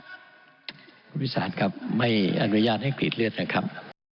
คุณวิสานครับไม่อนุญาตให้กรีดเลือดนะครับ